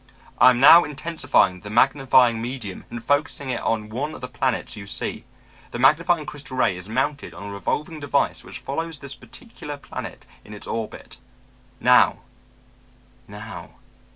'I am now intensifying the magnifying medium and focusing it on one of the planets you see. The magnifying crystal ray is mounted on a revolving device which follows this particular planet in its orbit. Now ... now....'